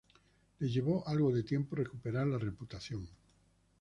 Le llevó algo de tiempo recuperar la reputación.